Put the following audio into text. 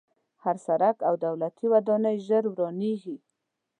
هر سړک او دولتي ودانۍ ژر ورانېږي.